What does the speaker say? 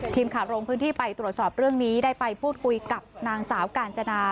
ทีมข่าวลงพื้นที่ไปตรวจสอบเรื่องนี้ได้ไปพูดคุยกับนางสาวกาญจนา